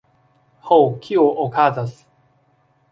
Ho, kio okazas?